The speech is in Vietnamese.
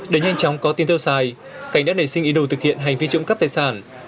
để nhanh chóng có tiền theo xài cảnh đã nảy sinh ý đồ thực hiện hành vi trụng cấp tài sản